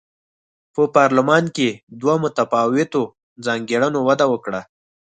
په پارلمان کې دوه متفاوتو ځانګړنو وده وکړه.